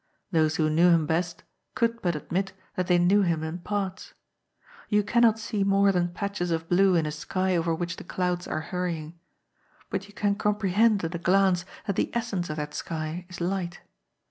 Those who knew him best could but admit that they knew him in parts. You cannot see more than patches of blue in a sky over which the clouds are hurrying. But you can comprehend at a glance that the essence of that sky is light.